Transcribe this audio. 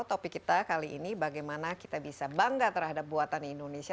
topik kita kali ini bagaimana kita bisa bangga terhadap buatan indonesia